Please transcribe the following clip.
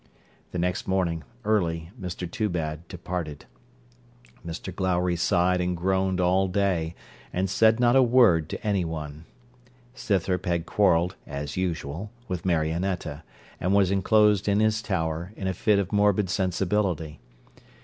The next morning, early, Mr Toobad departed. Mr Glowry sighed and groaned all day, and said not a word to any one. Scythrop had quarrelled, as usual, with Marionetta, and was enclosed in his tower, in a fit of morbid sensibility.